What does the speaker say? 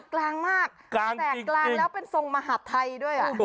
กลางมากแสกกลางแล้วเป็นทรงมหาดไทยด้วย